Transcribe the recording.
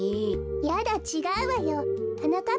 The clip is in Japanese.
やだちがうわよ。はなかっ